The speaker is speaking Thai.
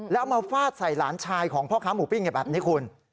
แล้วเอามาฟาดใส่หลานชายของพ่อค้าหมูปิ้งแบบนี้คุณ